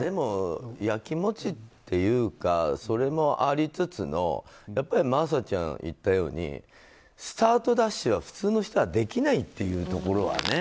やきもちっていうかそれもありつつのやっぱり真麻ちゃんが言ったようにスタートダッシュが普通の人はできないというところはね。